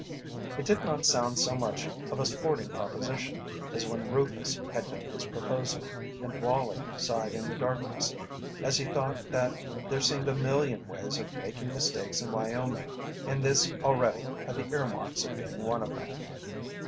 It did not sound so much of a "sporting proposition" as when Rufus had made his proposal, and Wallie sighed in the darkness as he thought that there seemed a million ways of making mistakes in Wyoming and this already had the earmarks of being one of them.